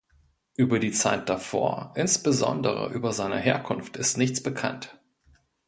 Über die Zeit davor, insbesondere über seine Herkunft ist nichts bekannt.